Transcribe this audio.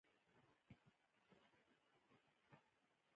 هغه کار چې ته یې نشې کولای مه پرېږده چې هغه څه خراب کړي.